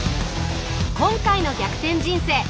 今回の「逆転人生」。